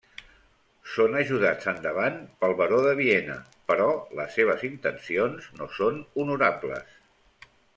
Són ajudats endavant pel Baró de Viena, però les seves intencions no són honorables.